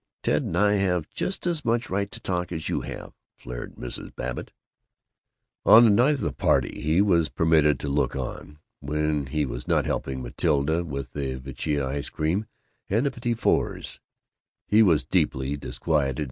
Ted and I have just as much right to talk as you have!" flared Mrs. Babbitt. On the night of the party he was permitted to look on, when he was not helping Matilda with the Vecchia ice cream and the petits fours. He was deeply disquieted.